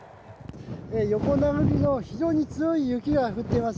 横殴りの非常に強い雪が降っています。